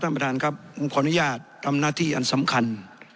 ท่านประธานครับผมขออนุญาตทำหน้าที่อันสำคัญ